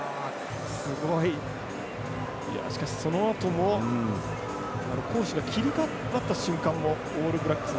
しかし、そのあとも攻守が切り替わった瞬間もオールブラックス